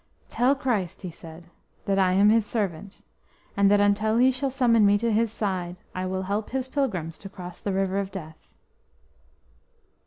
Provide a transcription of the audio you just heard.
"Tell Christ," he said, "that I am His servant, and that until He shall summon me to His side I will help His pilgrims to cross the River of Death."